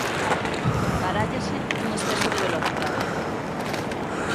Barállase un exceso de velocidade.